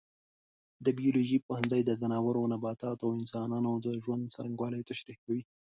د بیولوژي پوهنځی د ځناورو، نباتاتو او انسانانو د ژوند څرنګوالی تشریح کوي.